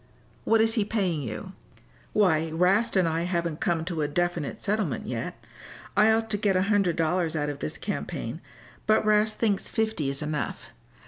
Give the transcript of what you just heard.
"What is he paying you?" "Why, 'Rast and I haven't come to a definite settlement yet. I ought to get a hundred dollars out of this campaign, but 'Rast thinks fifty is enough.